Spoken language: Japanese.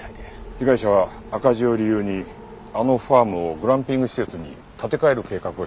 被害者は赤字を理由にあのファームをグランピング施設に建て替える計画をしていたそうだ。